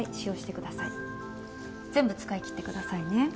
全部使い切ってくださいね。